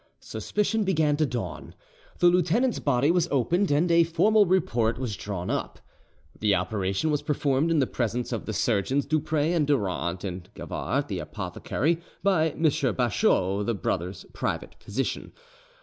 Suspicion began to dawn: the lieutenant's body was opened, and a formal report was drawn up. The operation was performed in the presence of the surgeons Dupre and Durant, and Gavart, the apothecary, by M. Bachot, the brothers' private physician.